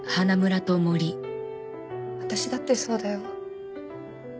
私だってそうだよ。